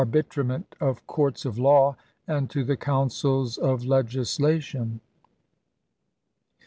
bitrament of courts of law and to the councils of legislation."